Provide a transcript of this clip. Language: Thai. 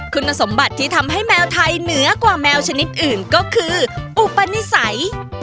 คุณสมบัติที่ทำให้แมวไทยเหนือกว่าแมวชนิดอื่นก็คืออุปนิสัย